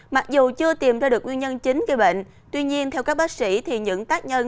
mặc dù chưa tìm ra được nguyên nhân chính gây bệnh tuy nhiên theo các bác sĩ thì những tác nhân